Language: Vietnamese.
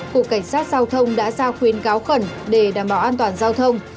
cục cảnh sát giao thông đã ra khuyến cáo khẩn để đảm bảo an toàn giao thông